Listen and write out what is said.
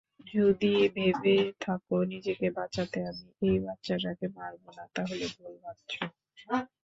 যদি ভেবে থাকো নিজেকে বাঁচাতে আমি এই বাচ্চাটাকে মারব না, তাহলে ভুল ভাবছ।